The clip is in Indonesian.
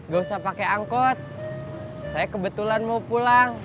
gak usah pakai angkot saya kebetulan mau pulang